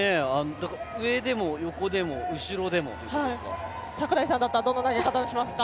後ろでも横でも上でもっていうことですか？